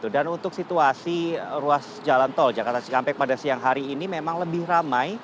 dan untuk situasi ruas jalan tol jakarta cikangpek pada siang hari ini memang lebih ramai